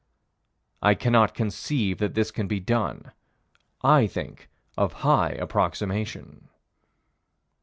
I cannot conceive that this can be done: I think of high approximation.